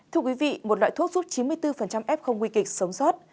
thưa quý vị một loại thuốc suốt chín mươi bốn f nguy kịch sống sót